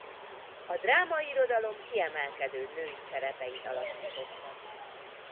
A drámairodalom kiemelkedő női szerepeit alakította.